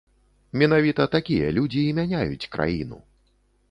Менавіта такія людзі і мяняюць краіну.